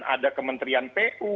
ada kementerian pu